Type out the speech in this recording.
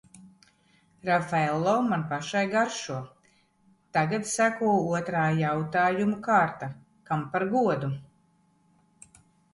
Rafaello man pašai garšo. Tagad seko otrā jautājumu kārta – kam par godu?